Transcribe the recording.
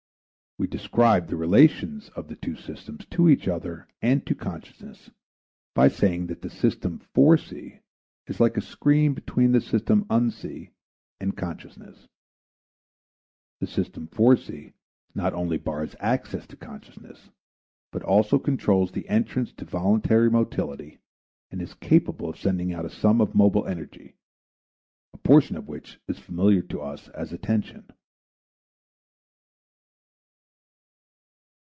We described the relations of the two systems to each other and to consciousness by saying that the system Forec. is like a screen between the system Unc. and consciousness. The system Forec. not only bars access to consciousness, but also controls the entrance to voluntary motility and is capable of sending out a sum of mobile energy, a portion of which is familiar to us as attention.